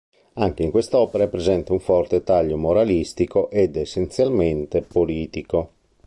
Anche in quest'opera è presente un forte taglio moralistico ed essenzialmente politico.